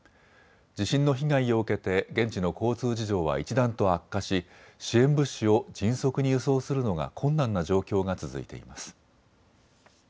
地震の被害を受けて現地の交通事情は一段と悪化し支援物資を迅速に輸送するのが困難な状況が続いています。